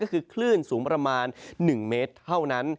คือคลื่นสูงประมาณหนึ่งเมตรเข้านั้น